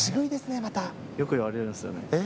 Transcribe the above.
よく言われるんですよね。